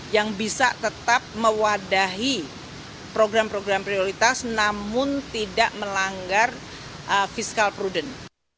yang bisa tetap mewadahi program program prioritas namun tidak melanggar fiskal prudent